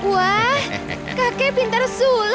wah kakek pintar sulap ya